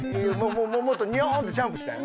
もっとニョーンってジャンプしたらええやん。